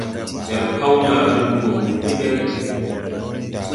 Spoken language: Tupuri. Jar Kaolar nduu wɔɔ wur degɛrɛ.